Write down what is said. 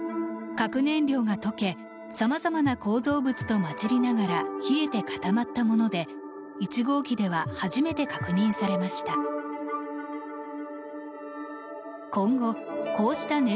核燃料が溶けさまざまな構造物と混じりながら冷えて固まったもので１号機では初めて確認されました。